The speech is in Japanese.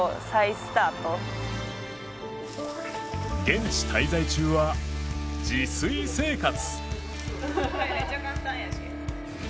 現地滞在中は、自炊生活。